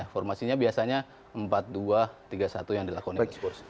formasinya biasanya empat dua tiga satu yang dilakukan oleh spurs